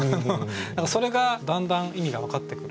それがだんだん意味が分かってくるっていう。